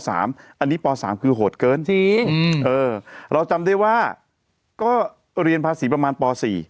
อันนี้ป๓คือโหดเกินจริงเราจำได้ว่าก็เรียนภาษีประมาณป๔